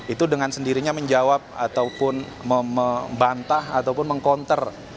itu dengan sendirinya menjawab ataupun membantah ataupun meng counter